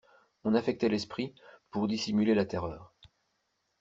On affectait l'esprit pour dissimuler la terreur.